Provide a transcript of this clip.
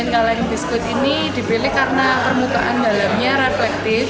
kaleng biskuit ini dipilih karena permukaan dalamnya reflektif